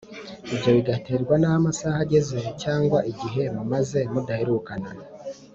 ibyo bigaterwa n’aho amasaha ageze cyangwa igihe mumaze mudaherukana